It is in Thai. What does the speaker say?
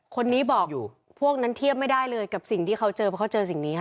คนนี้บอกอยู่พวกนั้นเทียบไม่ได้เลยกับสิ่งที่เขาเจอเพราะเขาเจอสิ่งนี้ค่ะ